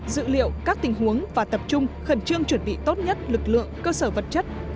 dự liệu các tình huống và tập trung khẩn trương chuẩn bị tốt nhất lực lượng cơ sở vật chất